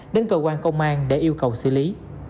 đến cơ quan công an để yêu cầu xử lý